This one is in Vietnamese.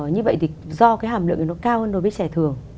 như vậy thì do hàm lượng nó cao hơn đối với trè thường